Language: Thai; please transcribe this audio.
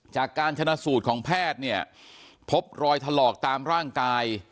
จากการชนะสูตรของแพทย์เนี่ยพบรอยถลอกตามร่างกาย